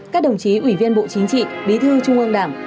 các đồng chí ủy viên bộ chính trị bí thư trung ương đảng